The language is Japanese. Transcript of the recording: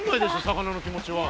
魚の気持ちは。